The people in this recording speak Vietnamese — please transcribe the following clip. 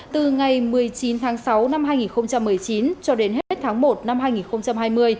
từ ngày một mươi chín tháng sáu năm hai nghìn một mươi chín cho đến hết tháng một năm hai nghìn hai mươi